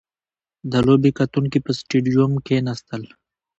• د لوبې کتونکي په سټېډیوم کښېناستل.